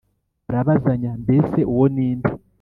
barabazanya: mbese uwo ni inde